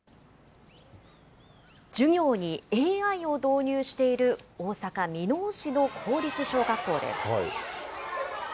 授業にＡＩを導入している大阪・箕面市の公立小学校です。